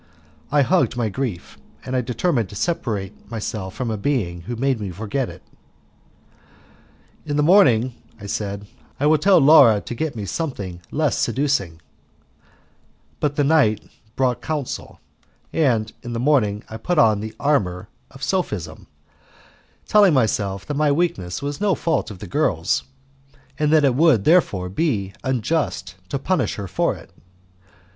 I hugged my grief, and I determined to separate myself from a being who made me forget it. "In the morning," I said, "I will tell Laura to get me something less seducing;" but the night brought counsel, and in the morning I put on the armour of sophism, telling myself that my weakness was no fault of the girl's, and that it would therefore be unjust to punish her for it.